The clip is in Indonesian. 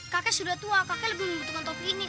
kakek sudah tua kakek lebih membutuhkan top ini